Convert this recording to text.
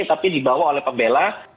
tapi dibawa oleh pembela